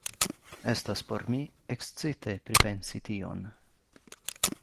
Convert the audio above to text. Estas por mi ekscite pripensi tion.